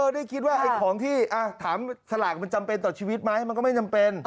ได้คิดว่าไอ้ของที่ถามสลากมันจำเป็นต่อชีวิตไหมมันก็ไม่จำเป็น